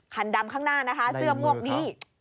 คันดำข้างหน้านะคะเสื้อมงบนี้ในมือครับ